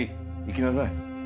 行きなさい。